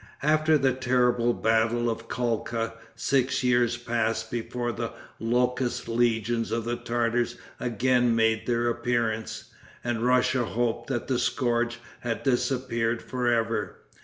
After the terrible battle of Kalka, six years passed before the locust legions of the Tartars again made their appearance; and Russia hoped that the scourge had disappeared for ever.